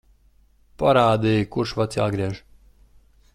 Parādi, kurš vads jāgriež.